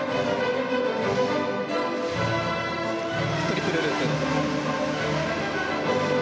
トリプルループ。